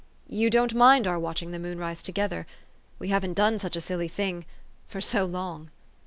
You don't mind our watching the moonrise together? We haven't done such a silly thing for so long